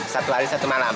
satu hari satu malam